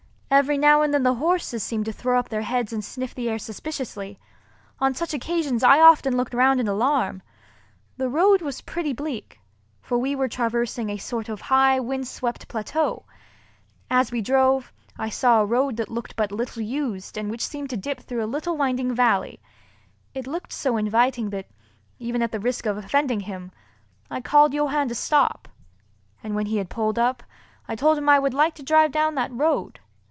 Every now and then the horses seemed to throw up their heads and sniff the air suspiciously. On such occasions I often looked round in alarm. The road was pretty bleak, for we were traversing a sort of high windswept plateau. As we drove, I saw a road that looked but little used and which seemed to dip through a little winding valley. It looked so inviting that, even at the risk of offending him, I called Johann to stop—and when he had pulled up, I told him I would like to drive down that road.